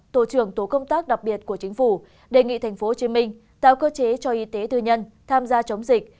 tổ trưởng tổ công tác đặc biệt của chính phủ đề nghị tp hcm tạo cơ chế cho y tế tư nhân tham gia chống dịch